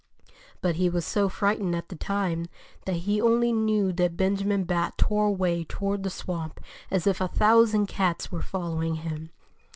But he was so frightened at the time that he only knew that Benjamin Bat tore away toward the swamp as if a thousand cats were following him.